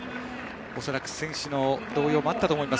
おそらく選手の動揺もあったと思います。